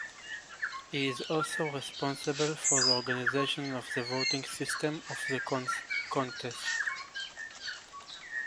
He is also responsible for the organization of the voting system of the contest.